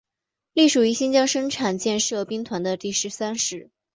隶属于新疆生产建设兵团第十三师。